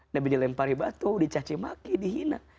nabi dilempari batu dicacimaki dihina